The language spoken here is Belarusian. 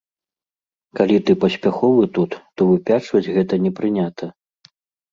Калі ты паспяховы тут, то выпячваць гэта не прынята.